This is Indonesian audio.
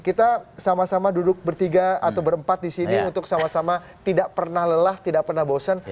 kita sama sama duduk bertiga atau berempat di sini untuk sama sama tidak pernah lelah tidak pernah bosan